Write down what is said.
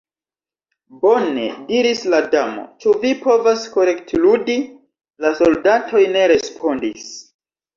"Bone," diris la Damo.—"Ĉu vi povas kroketludi?" La soldatoj ne respondis.